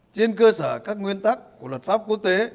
trên cơ sở các nguyên tắc của luật pháp quốc tế